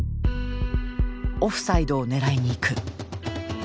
「オフサイドを狙いにいく」。